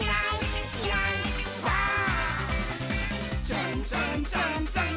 「ツンツンツンツン」